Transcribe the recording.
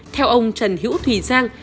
theo ông trần hữu thùy giang